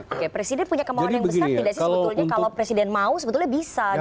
oke presiden punya kemauan yang besar tidak sih sebetulnya kalau presiden mau sebetulnya bisa